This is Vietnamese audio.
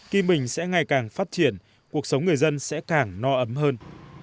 kim bình sẽ ngày càng phát triển cuộc sống người dân sẽ càng no ấm hơn